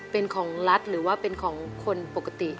เป็นของรัฐหรือว่าเป็นของคนปกติ